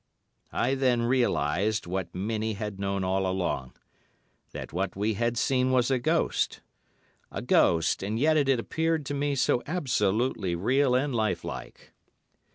I then realised what Minnie had known all along—that what we had seen was a ghost. A ghost, and yet it had appeared to me so absolutely real and life like."